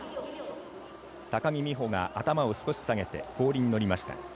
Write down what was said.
高木美帆が頭を少し下げて氷に乗りました。